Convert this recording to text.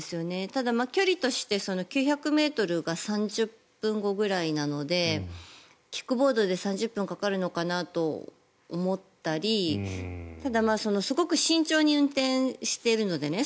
ただ、距離として９００ｍが３０分後ぐらいなのでキックボードで３０分かかるのかなと思ったりただ、すごく慎重に運転しているのでね。